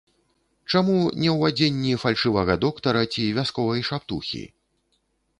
Чаму не ў адзенні фальшывага доктара ці вясковай шаптухі?